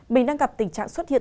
mình đang gặp tình trạng xuất hiện